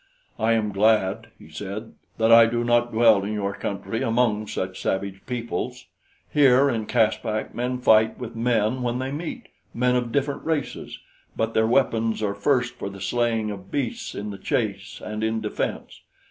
"I am glad," he said, "that I do not dwell in your country among such savage peoples. Here, in Caspak, men fight with men when they meet men of different races but their weapons are first for the slaying of beasts in the chase and in defense.